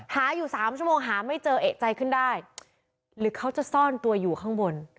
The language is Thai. หาอยู่สามชั่วโมงหาไม่เจอเอกใจขึ้นได้หรือเขาจะซ่อนตัวอยู่ข้างบน